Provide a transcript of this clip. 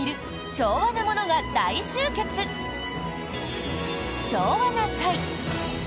「昭和な会」。